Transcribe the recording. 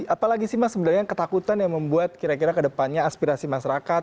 apalagi sih mas sebenarnya ketakutan yang membuat kira kira kedepannya aspirasi masyarakat